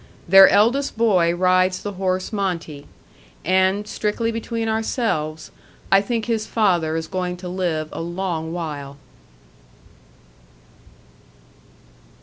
Their eldest boy rides the horse Monte; and, strictly between ourselves, I think his father is going to live a long while.